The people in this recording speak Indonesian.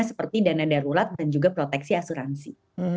seperti dana darurat dan juga proteksi asuransi